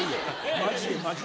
マジでマジで。